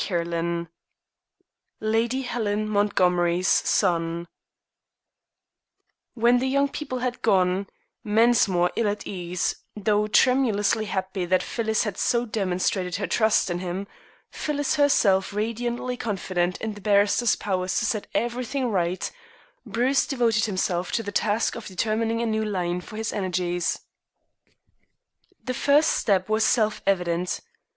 CHAPTER XXVI LADY HELEN MONTGOMERY'S SON When the young people had gone Mensmore ill at ease, though tremuously happy that Phyllis had so demonstrated her trust in him, Phyllis herself radiantly confident in the barrister's powers to set everything right Bruce devoted himself to the task of determining a new line for his energies. The first step was self evident.